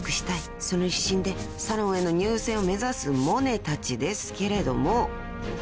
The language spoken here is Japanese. ［その一心でサロンへの入選を目指すモネたちですけれども］